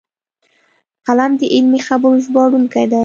قلم د علمي خبرو ژباړونکی دی